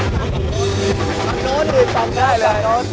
ข้างโน้นข้างหน้าข้างโน้น